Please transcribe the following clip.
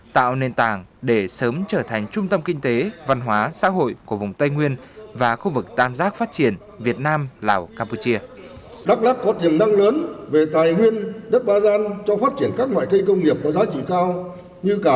tại khu vực jerusalem và ra anana